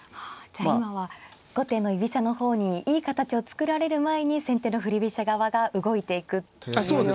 じゃあ今は後手の居飛車の方にいい形を作られる前に先手の振り飛車側が動いていくっていうような。